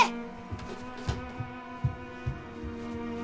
はい。